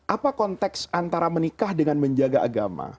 apa konteks antara menikah dengan menjaga agama